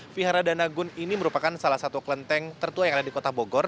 vihara danagun ini merupakan salah satu kelenteng tertua yang ada di kota bogor